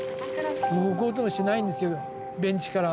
もう動こうともしないんですよベンチから。